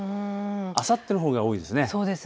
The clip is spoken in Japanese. あさってのほうが多いですね。